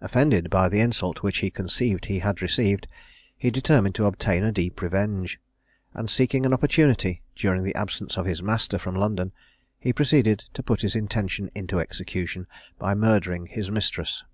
Offended by the insult which he conceived he had received, he determined to obtain a deep revenge; and seeking an opportunity, during the absence of his master from London, he proceeded to put his intention into execution by murdering his mistress.